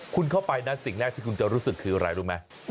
คุณเข้าไปนะสิ่งแรกที่คุณจะรู้สึกคืออะไรรู้ไหม